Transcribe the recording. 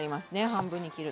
半分に切ると。